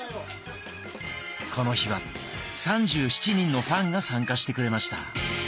この日は３７人のファンが参加してくれました。